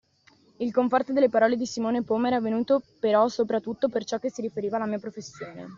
Il conforto delle parole di Simone Pau m'era venuto però sopra tutto per ciò che si riferiva alla mia professione.